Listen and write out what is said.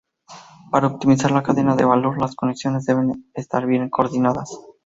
Para optimizar la cadena de valor, las conexiones deben estar bien coordinadas.